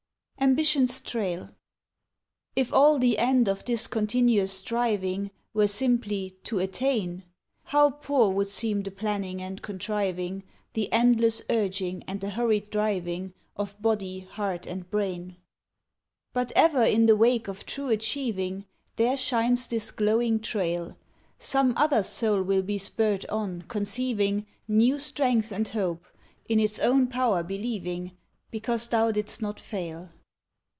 =Ambition's Trail= If all the end of this continuous striving Were simply to attain, How poor would seem the planning and contriving The endless urging and the hurried driving Of body, heart and brain! But ever in the wake of true achieving, There shines this glowing trail Some other soul will be spurred on, conceiving, New strength and hope, in its own power believing, Because thou didst not fail.